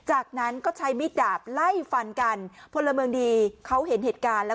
อ่ายกแก๊งนะครับสมมติห้าคัน